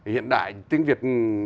hiện đại tiếng việt